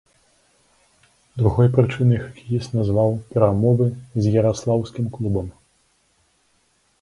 Другой прычынай хакеіст назваў перамовы з яраслаўскім клубам.